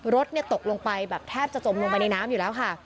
รถตกลงไปแบบแทบจะจมลงไปในน้ำอยู่แล้วค่ะ